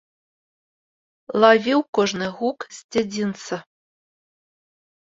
Лавіў кожны гук з дзядзінца.